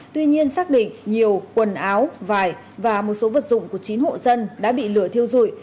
tuy nhiên xác định nhiều quần áo vải và một số vật dụng của chín hộ dân đã bị lửa thiêu dụi